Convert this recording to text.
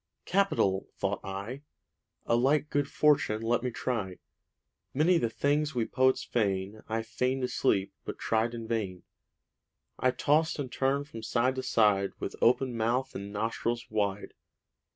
'Capital!' thought I. 'A like good fortune let me try.' Many the things we poets feign. I feign'd to sleep, but tried in vain. I tost and turn'd from side to side, With open mouth and nostrils wide.